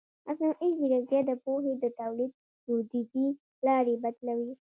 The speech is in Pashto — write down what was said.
مصنوعي ځیرکتیا د پوهې د تولید دودیزې لارې بدلوي.